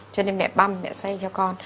cho nên mẹ băm mẹ xay cho con